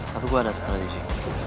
tapi gue ada setradisi